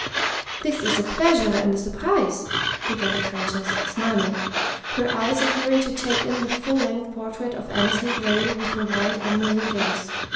"This is a pleasure and a surprise," began the Countess, smiling, her eyes appearing to take in the full length portrait of Annesley Grayle with their wide, unmoving gaze.